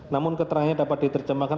namun keterangannya dapat diterjemahkan